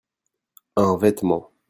Un vêtement.